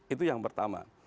itu yang pertama